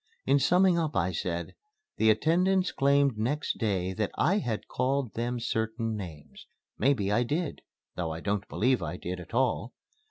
In summing up I said, "The attendants claimed next day that I had called them certain names. Maybe I did though I don't believe I did at all.